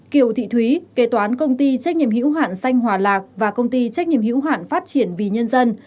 kiều thị thúy kế toán công ty trách nhiệm hữu hạn xanh hòa lạc và công ty trách nhiệm hữu hạn phát triển vì nhân dân